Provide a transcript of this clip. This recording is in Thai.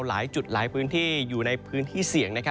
หลายจุดหลายพื้นที่อยู่ในพื้นที่เสี่ยง